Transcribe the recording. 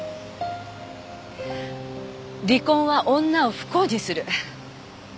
離婚は女を不幸にする。